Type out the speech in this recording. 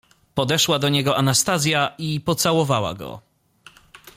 "Podeszła do niego Anastazja i pocałowała go."